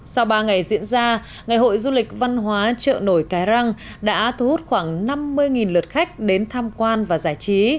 sau ba ngày diễn ra ngày hội du lịch văn hóa chợ nổi cái răng đã thu hút khoảng năm mươi lượt khách đến tham quan và giải trí